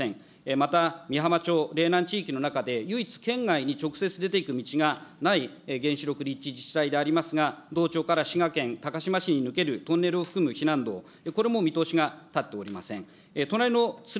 また、みはま町れいなん地域の中で唯一、県外に直接出ていく道がない原子力立地自治体でありますが、同町から滋賀県高島市に抜けるトンネルを含む避難道、これも見通しが立っておりません。